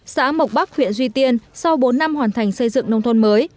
xã mộc bắc huyện duy tiên sau bốn năm hoàn thành xây dựng nông thôn mới